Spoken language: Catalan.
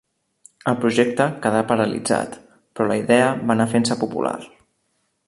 El projecte quedà paralitzat, però la idea va anar fent-se popular.